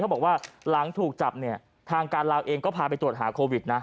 บอกว่าหลังถูกจับเนี่ยทางการลาวเองก็พาไปตรวจหาโควิดนะ